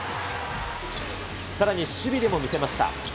さらに守備でも見せました。